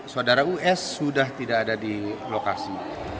saudara us sudah tidak ada di lokasi